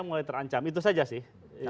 mulai terancam itu saja sih